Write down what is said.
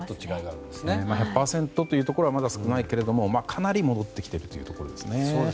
まだ１００％というところ少ないけどかなり戻ってきているというところですね。